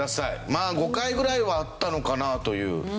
まあ５回ぐらいはあったのかなという。